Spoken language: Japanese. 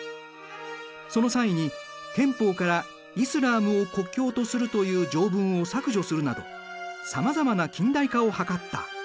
その際に憲法から「イスラームを国教とする」という条文を削除するなどさまざまな近代化を図った。